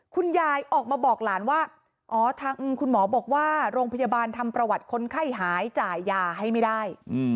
คุณยายออกมาบอกหลานว่าอ๋อทางคุณหมอบอกว่าโรงพยาบาลทำประวัติคนไข้หายจ่ายยาให้ไม่ได้